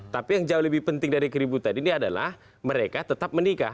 tapi yang jauh lebih penting dari keributan ini adalah mereka tetap menikah